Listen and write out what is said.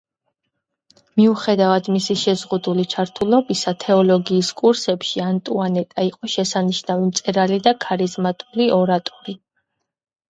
მიუხედავად მისი შეზღუდული ჩართულობისა თეოლოგიის კურსებში, ანტუანეტა იყო შესანიშნავი მწერალი და ქარიზმატული ორატორი.